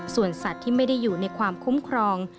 ส่วนสัตว์ที่ไม่ได้อยู่ในความคุ้มครอง